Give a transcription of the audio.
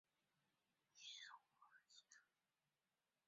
岩藿香为唇形科黄芩属下的一个种。